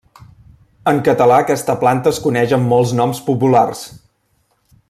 En català aquesta planta es coneix amb molts noms populars.